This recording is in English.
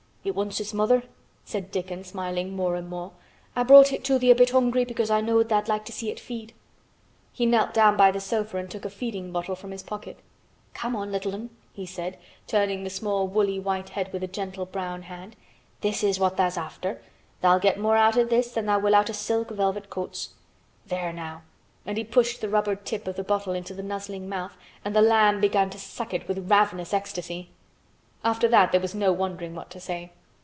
"It wants its mother," said Dickon, smiling more and more. "I brought it to thee a bit hungry because I knowed tha'd like to see it feed." He knelt down by the sofa and took a feeding bottle from his pocket. "Come on, little 'un," he said, turning the small woolly white head with a gentle brown hand. "This is what tha's after. Tha'll get more out o' this than tha' will out o' silk velvet coats. There now," and he pushed the rubber tip of the bottle into the nuzzling mouth and the lamb began to suck it with ravenous ecstasy. After that there was no wondering what to say.